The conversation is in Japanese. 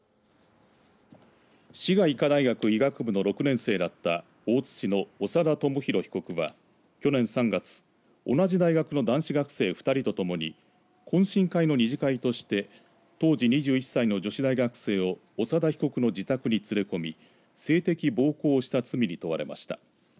滋賀医科大学医学部の６年生だった大津市の長田知大被告は去年３月、同じ大学の男子学生２人と共に懇親会の二次会として当時２１歳の女子大学生を長田被告の自宅に連れ込み性的暴行をした罪に問われました。